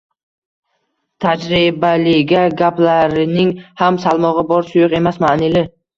Tajribali-da, gaplarining ham salmog‘i bor, suyuq emas, ma’nili